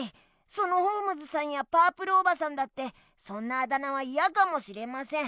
そのホームズさんやパープルおばさんだってそんなあだ名はいやかもしれません。